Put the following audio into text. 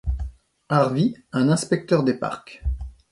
Harvie, un inspecteur des parcs.